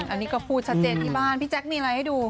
อันนี้ก็พูดชัดเจนที่บ้านพี่แจ๊คมีอะไรให้ดู